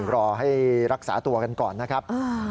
รอให้รักษาตัวกันก่อนนะครับ